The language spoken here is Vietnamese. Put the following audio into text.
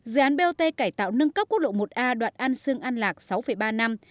dự án bot cải tạo nâng cấp quốc lộ một a đoạn an sương an lạc sáu ba năm